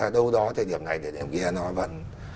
đâu đó thời điểm này thời điểm kia nó vẫn